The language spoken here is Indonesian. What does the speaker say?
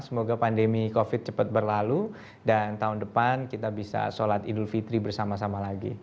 semoga pandemi covid cepat berlalu dan tahun depan kita bisa sholat idul fitri bersama sama lagi